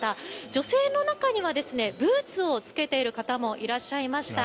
女性の中にはブーツをつけている方もいらっしゃいました。